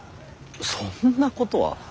そんなことは。